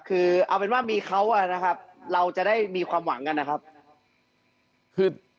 คือเอาเป็นว่ามีเขานะครับเราจะได้มีความหวังกันนะครับคือ